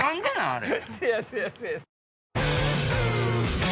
あれ。